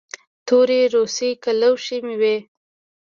تورې روسۍ کلوشې مې وې.